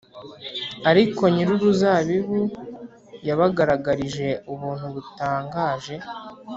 ariko nyiri uruzabibu yabagaragarije ubuntu butangaje